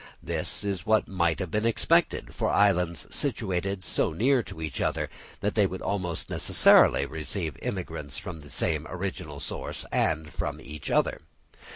This is what might have been expected, for islands situated so near to each other would almost necessarily receive immigrants from the same original source, and from each other.